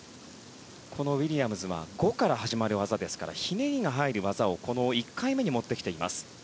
ウィリアムズは５から始まる技ですからひねりが入る技をこの１回目に持ってきています。